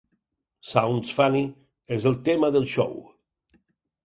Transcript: "Sounds Funny" és el tema del show.